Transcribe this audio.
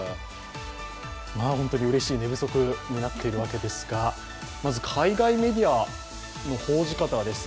うれしい寝不足になっているわけですがまず海外メディアの報じ方です。